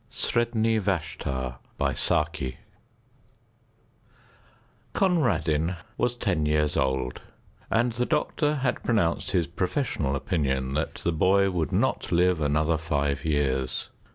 SREDNI VASHTAR Conradin was ten years old, and the doctor had pronounced his professional opinion that the boy would not live another five years.